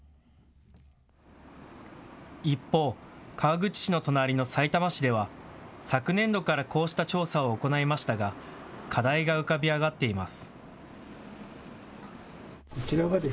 一方、川口市の隣のさいたま市では昨年度からこうした調査を行いましたが課題が浮かび上がっています。